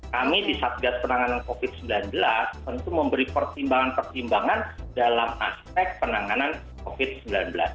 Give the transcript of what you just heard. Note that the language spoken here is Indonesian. kami di satgas penanganan covid sembilan belas tentu memberi pertimbangan pertimbangan dalam aspek penanganan covid sembilan belas